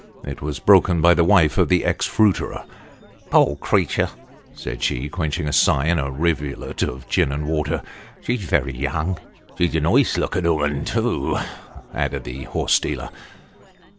It was broken by the wife of the ex fruiterer. " Poor creetur !" said she, quenching a sigh in a rivulet of gin and water. " She's very young." " She's a nice looking 'ooman too," added the horse dealer.